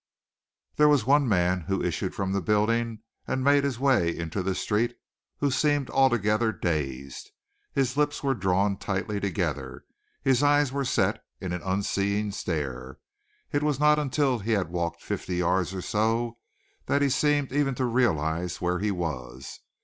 There was one man who issued from the building and made his way into the street, who seemed altogether dazed. His lips were drawn tightly together, his eyes were set in an unseeing stare. It was not until he had walked fifty yards or so that he seemed even to realize where he was.